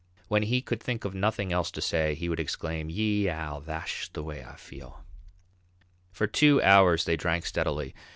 When he could think of nothing else to say he would exclaim, "Yee ee ow! Thash way I feel." For two hours they drank steadily.